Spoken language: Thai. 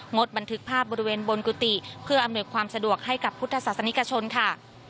ดบันทึกภาพบริเวณบนกุฏิเพื่ออำนวยความสะดวกให้กับพุทธศาสนิกชนค่ะ